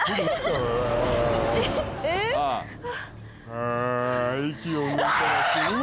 ああ息を抜いたらうわー！